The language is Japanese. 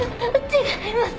違います